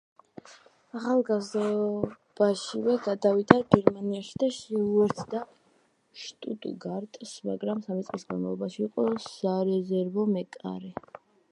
ახალგაზრდობაშივე გადავიდა გერმანიაში და შეუერთდა „შტუტგარტს“, მაგრამ სამი წლის განმავლობაში იყო სარეზერვო მეკარე.